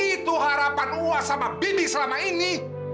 itu harapan wah sama bibi selama ini